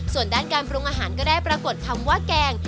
ส่วนด้านการปรุงอาหารก็ได้ปรากฏคำว่าแกง